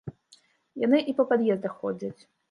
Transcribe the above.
Яны і па пад'ездах ходзяць.